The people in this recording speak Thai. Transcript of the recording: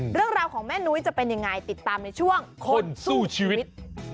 เรื่องราวของแม่นุ้ยจะเป็นยังไงติดตามในช่วงคนสู้ชีวิต